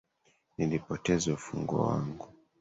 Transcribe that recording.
Nilipoteza ufunguo wangu